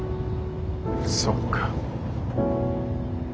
そうか。